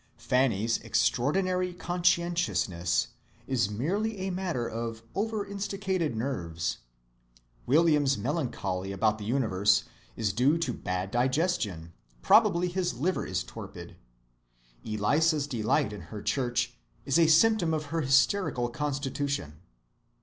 Fanny's extraordinary conscientiousness is merely a matter of over‐instigated nerves. William's melancholy about the universe is due to bad digestion—probably his liver is torpid. Eliza's delight in her church is a symptom of her hysterical constitution.